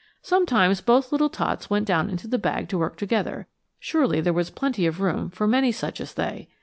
Sometimes both little tots went down into the bag to work together; surely there was plenty of room for many such as they.